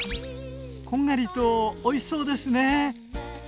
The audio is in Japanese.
こんがりとおいしそうですね。